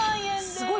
すごい！